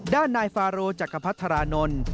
ด้านนายฟาร์โรจักรพัฒน์ธรานนทร์